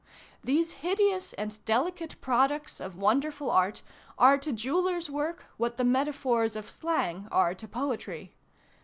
These hideous and delicate products of wonderful art are to jewellers' work what the metaphors of slang are to poetry.